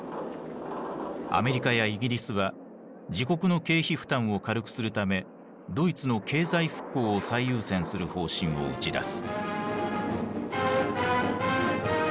アメリカやイギリスは自国の経費負担を軽くするためドイツの経済復興を最優先する方針を打ち出す。